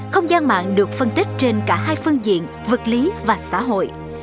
không gian mạng được phân tích trên cả hai phương diện vật lý và xã hội